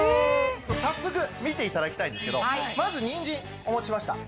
早速見ていただきたいんですけどまずニンジンお持ちしました。